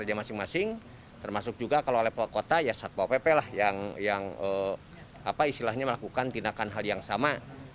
kerja masing masing termasuk juga kalau oleh kota ya satwa pp lah yang melakukan tindakan hal yang sama